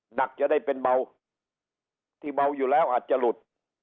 หนักจะได้เป็นเบาที่เบาอยู่แล้วอาจจะหลุด